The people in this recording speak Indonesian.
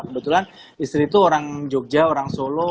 kebetulan istri itu orang jogja orang solo